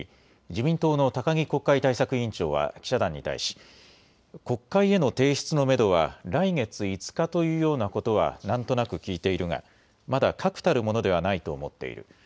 自民党の高木国会対策委員長は記者団に対し、国会への提出のめどは来月５日というようなことはなんとなく聞いているがまだ確たるものではないと思っている。